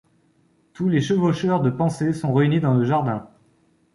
Tous les chevaucheurs de pensées sont réunis dans le jardin.